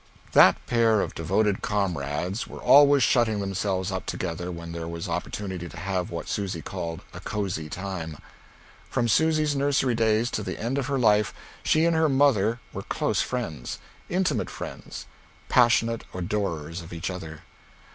That pair of devoted comrades were always shutting themselves up together when there was opportunity to have what Susy called "a cozy time." From Susy's nursery days to the end of her life, she and her mother were close friends; intimate friends, passionate adorers of each other.